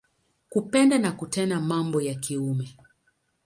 Kupenda na kutenda mambo ya kiume.